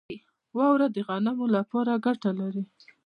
واوره د غنمو لپاره ګټه لري.